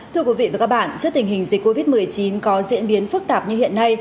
thưa quý vị và các bạn trước tình hình dịch covid một mươi chín có diễn biến phức tạp như hiện nay